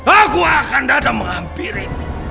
aku akan datang menghampiri